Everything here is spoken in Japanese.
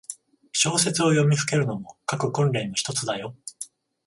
小説を読みふけるのも、書く訓練のひとつだよ。